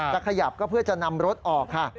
ขยับก็เพื่อจะนำรถออกค่ะ